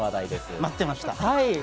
待ってました！